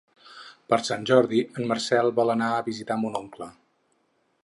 Per Sant Jordi en Marcel vol anar a visitar mon oncle.